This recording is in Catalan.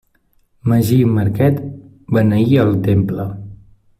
Magí Marquet, beneí el temple.